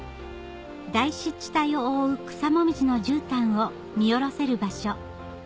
大湿地帯を覆う草紅葉のじゅうたんを見下ろせる場所